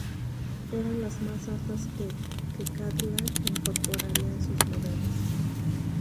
Eran las más altas que Cadillac incorporaría en sus modelos.